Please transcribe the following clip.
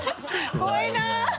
怖いな。